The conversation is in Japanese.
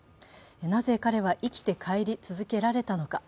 なぜ彼は生きて帰り続けられたのか。